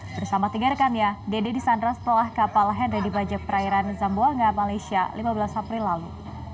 bersama tiga rekannya dede disandra setelah kapal henry dibajak perairan zamboanga malaysia lima belas april lalu